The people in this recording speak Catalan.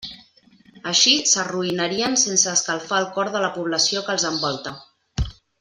Així s'arruïnarien sense escalfar el cor de la població que els envolta.